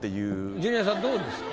ジュニアさんどうですか？